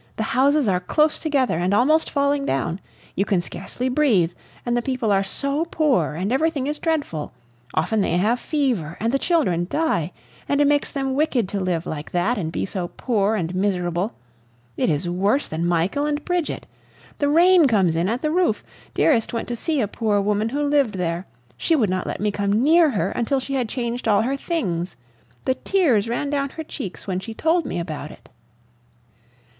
The houses are close together, and almost falling down; you can scarcely breathe; and the people are so poor, and everything is dreadful! Often they have fever, and the children die; and it makes them wicked to live like that, and be so poor and miserable! It is worse than Michael and Bridget! The rain comes in at the roof! Dearest went to see a poor woman who lived there. She would not let me come near her until she had changed all her things. The tears ran down her cheeks when she told me about it!"